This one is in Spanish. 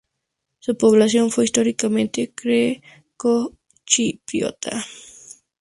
Su población fue históricamente Grecochipriota.